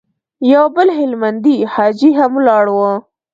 يو بل هلمندی حاجي هم ولاړ و.